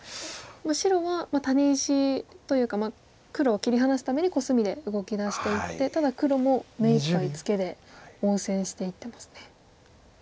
白はタネ石というか黒を切り離すためにコスミで動きだしていってただ黒も目いっぱいツケで応戦していってますね。